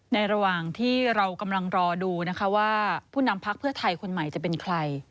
ระหว่างที่เรากำลังรอดูนะคะว่าผู้นำพักเพื่อไทยคนใหม่จะเป็นใคร